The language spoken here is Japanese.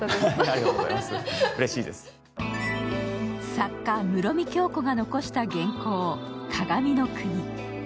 作家・室見響子が残した原稿「鏡の国」。